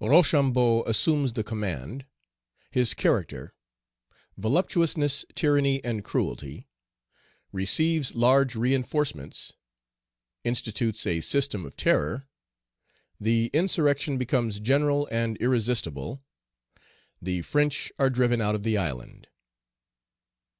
Rochambeau assumes the command His character Voluptuousness, tyranny, and cruelty Receives large reinforcements Institutes a system of terror The insurrection becomes general and irresistible The French are driven out of the island.